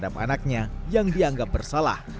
terhadap anaknya yang dianggap bersalah